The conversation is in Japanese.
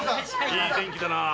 いい天気だなあ。